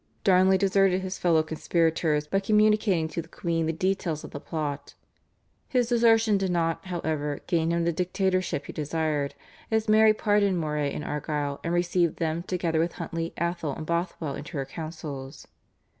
Darnley deserted his fellow conspirators by communicating to the queen the details of the plot. His desertion did not, however, gain him the dictatorship he desired, as Mary pardoned Moray and Argyll, and received them together with Huntly, Atholl, and Bothwell into her councils.